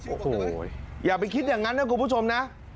โอ้โหอย่าไปคิดอย่างนั้นนะคุณผู้ชมนะ